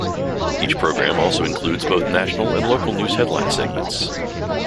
Each program also includes both national and local news headline segments.